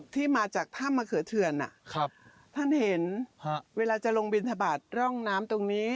ที่มาจากถ้ำมะเขือเทือนท่านเห็นเวลาจะลงบินทบาทร่องน้ำตรงนี้